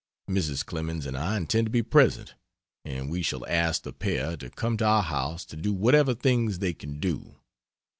Mrs. Clemens and I intend to be present. And we shall ask the pair to come to our house to do whatever things they can do.